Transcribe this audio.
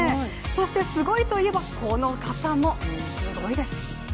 そしてすごいといえば、この方もすごいです。